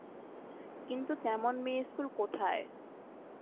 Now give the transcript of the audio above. কিন্তু তেমন মেয়ে-ইস্কুল কোথায়?